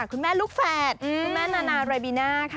คุณแม่ลูกแฝดคุณแม่นานาเรบิน่าค่ะ